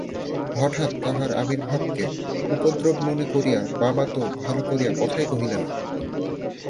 হঠাৎ তাঁহার আবির্ভাবকে উপদ্রব মনে করিয়া বাবা তো ভালো করিয়া কথাই কহিলেন না।